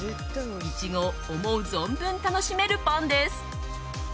イチゴを思う存分楽しめるパンです。